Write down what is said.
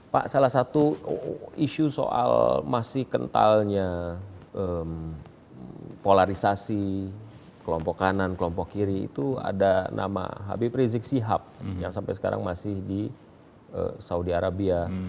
pak salah satu isu soal masih kentalnya polarisasi kelompok kanan kelompok kiri itu ada nama habib rizik sihab yang sampai sekarang masih di saudi arabia